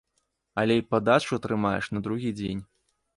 Але і падачу атрымаеш на другі дзень.